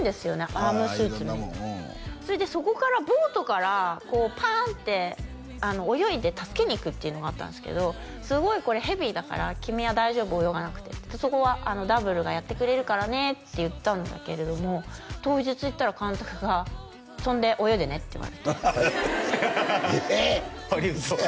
アームスーツみたいなそれでそこからボートからこうパーンって泳いで助けに行くっていうのがあったんですけど「すごいこれヘビーだから君は大丈夫泳がなくて」って「そこはダブルがやってくれるからね」って言ったんだけれども当日行ったら監督が「跳んで泳いでね」って言われてええっ嘘やん！